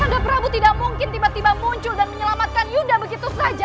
anda prabu tidak mungkin tiba tiba muncul dan menyelamatkan yuda begitu saja